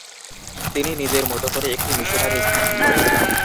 তিনি নিজের মত করে একটি মিশনারি স্থাপন করেন।